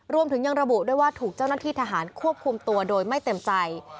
รวมถึงยังระบุด้วยว่าถูกเจ้าหน้าที่ทหารควบคุมตัวโดยไม่เต็มใจ